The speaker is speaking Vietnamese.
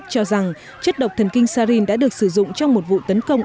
cho rằng chất độc thần kinh sharin đã được sử dụng trong một vụ tấn công